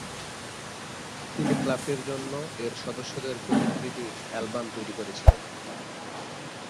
তিনি ক্লাবটির জন্য এর সদস্যদের প্রতিকৃতির অ্যালবাম তৈরি করেছিলেন।